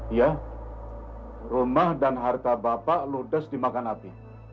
ya rumah dan harta bapak lodas dimakan api